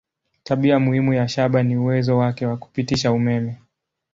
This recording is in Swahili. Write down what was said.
Tabia muhimu ya shaba ni uwezo wake wa kupitisha umeme.